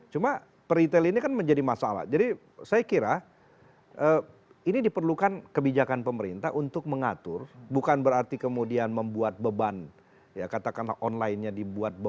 cuma peritel ini kan menjadi masalah jadi saya kira ini diperlukan kebijakan pemerintah untuk mengatur bukan berarti kemudian membuat beban ya katakanlah online nya dibuat beban